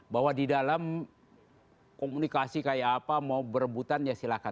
bahwa di dalam komunikasi kayak apa mau berebutan ya silahkan